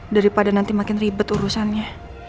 daripada nanti makin ribet urusannya